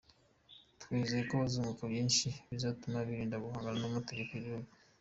Twizeye ko bazunguka byinshi bizatuma birinda guhangana n’amategeko y’igihugu.